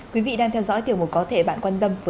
quý vị đang theo dõi tiểu mục có thể bạn quan tâm